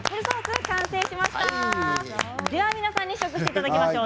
では皆さんに試食をしていただきましょう。